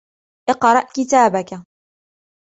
أقرأ كتابك.